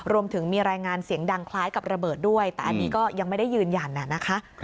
รวมถึงมีรายงานเสียงดังคล้ายกับระเบิดด้วยแต่อันนี้ก็ยังไม่ได้ยืนยันนะคะ